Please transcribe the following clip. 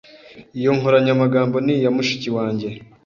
Iyi nkoranyamagambo ni iya mushiki wanjye.